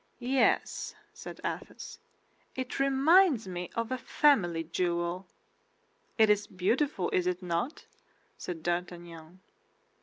"Yes," said Athos, "it reminds me of a family jewel." "It is beautiful, is it not?" said D'Artagnan.